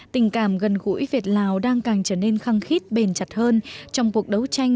tình cảm gần gũi việt lào đang càng trở nên khăng khít bền chặt hơn trong cuộc đấu tranh